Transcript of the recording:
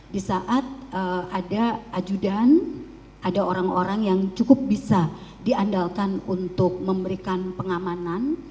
di saat ada ajudan ada orang orang yang cukup bisa diandalkan untuk memberikan pengamanan